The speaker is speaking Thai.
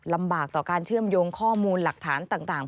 ลำบากต่อการเชื่อมโยงข้อมูลหลักฐานต่าง